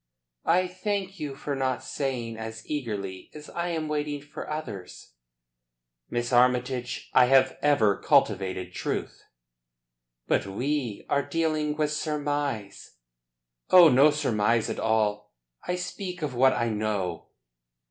"I thank you for not saying as eagerly as I am waiting for others." "Miss Armytage, I have ever cultivated truth." "But we are dealing with surmise." "Oh, no surmise at all. I speak of what I know."